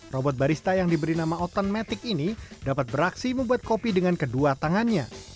robot barista yang diberi nama otenmatic ini dapat beraksi membuat kopi dengan kedua tangannya